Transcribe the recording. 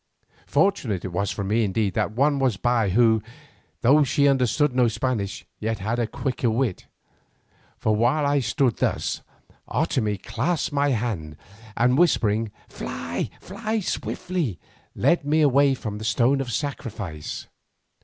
Fortunate it was for me indeed that one was by who though she understood no Spanish, yet had a quicker wit. For while I stood thus, Otomie clasped my hand, and whispering, "Fly, fly swiftly!" led me away from the stone of sacrifice.